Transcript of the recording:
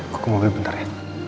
kau ke mobil bentar ya